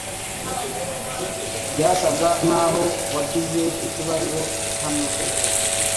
Byasaga nkaho wagize ikibazo hano ejo.